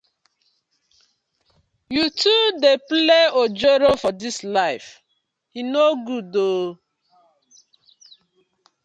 Yu too dey play ojoro for dis yu life, e no good ooo.